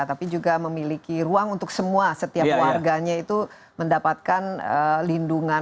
tapi juga memiliki ruang untuk semua setiap warganya itu mendapatkan lindungan